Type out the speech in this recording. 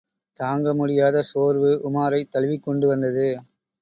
தாங்க முடியாத சோர்வு உமாரைத் தழுவிக்கொண்டு வந்தது.